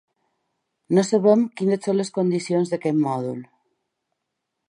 No sabem quines són les condicions d’aquest mòdul.